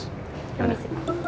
terima kasih pak